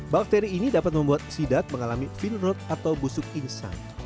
bakteri ini dapat membuat sidap mengalami filnode atau busuk insang